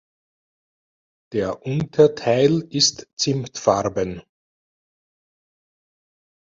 Der Unterteil ist zimtfarben.